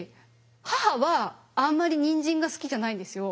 母はあんまりニンジンが好きじゃないんですよ。